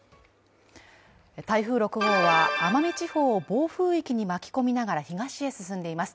台風６号は奄美地方を暴風域に巻き込みながら東へ進んでいます。